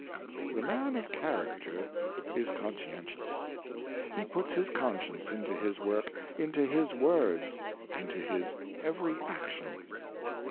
The man of character is conscientious. He puts his conscience into his work, into his words, into his every action.